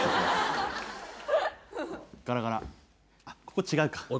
あっここ違うか。